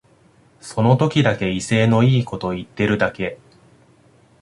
その時だけ威勢のいいこと言ってるだけ